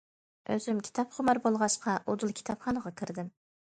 ئۆزۈم كىتاب خۇمار بولغاچقا، ئۇدۇل كىتابخانىغا كىردىم.